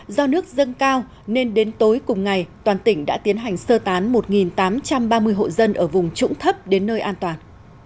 do nước dâng cao nên đến tối cùng ngày toàn tỉnh đã tiến hành sơ tán một tám trăm ba mươi hộ dân ở vùng trũng thấp đến nơi an toàn